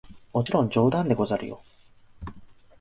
もちろん冗談でござるよ！